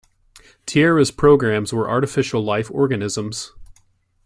Tierra's programs were artificial life organisms.